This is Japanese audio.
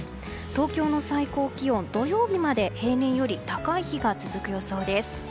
東京の最高気温、土曜日まで平年より高い日が続く予想です。